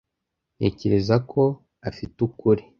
ntekereza ko afite ukuri